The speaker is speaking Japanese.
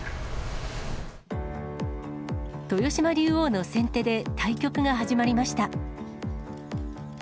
豊島竜王の先手で対局が始まりました。